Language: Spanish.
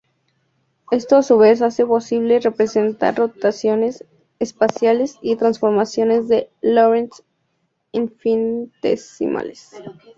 Esto a su vez hace posible representar rotaciones espaciales y transformaciones de Lorentz infinitesimales.